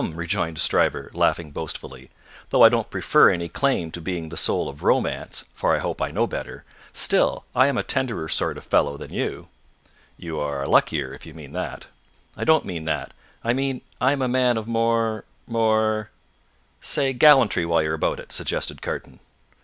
rejoined Stryver, laughing boastfully, "though I don't prefer any claim to being the soul of Romance (for I hope I know better), still I am a tenderer sort of fellow than you." "You are a luckier, if you mean that." "I don't mean that. I mean I am a man of more more " "Say gallantry, while you are about it," suggested Carton.